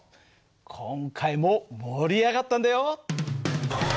今回も盛り上がったんだよ！